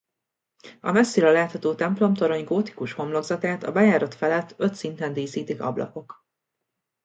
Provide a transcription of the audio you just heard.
A messziről látható templomtorony gótikus homlokzatát a bejárat felett öt szinten díszítik ablakok.